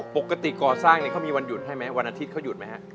ปกติก่อสร้างเขามีวันหยุดให้ไหมวันอาทิตย์เขาหยุดไหมฮะ